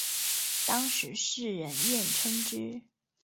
当时世人艳称之。